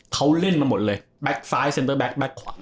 เขาเล่นมาหมดเลยแบ็คซ้ายเซ็นเตอร์แบ็คแบ็คขวาอ่า